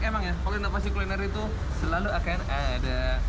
emang ya kalau di tavasi culinary itu selalu akan ada